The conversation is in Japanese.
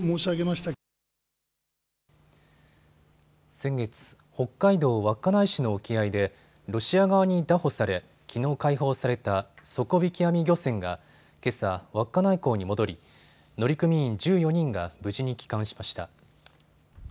先月、北海道稚内市の沖合でロシア側に拿捕され、きのう解放された底引き網漁船がけさ、稚内港に戻り乗組員１４人が無事に帰還しました。